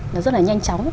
nó rất là nhanh chóng